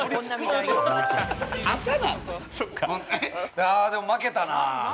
◆いやー、でも負けたな。